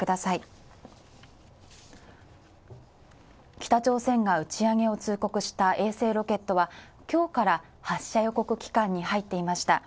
北朝鮮が打ち上げを通告した衛星ロケットは今日から発射予告期間に入っていました。